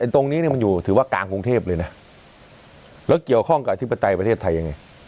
ตรงนี้มันอยู่ถือว่ากลางกรุงเทพเลยนะแล้วเกี่ยวข้องกับอธิปไตยประเทศไทยยังไง